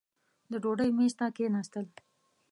د ډوډۍ مېز ته کښېنستل.